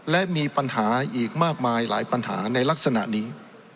และมีปัญหาอีกมากมายหลายปัญหาในลักษณะนี้